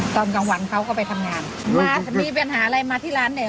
ตอนกลางวันเขาก็ไปทำงานมามีปัญหาอะไรมาที่ร้านเนี่ย